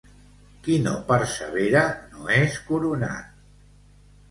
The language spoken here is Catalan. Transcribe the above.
Qui no persevera no és coronat.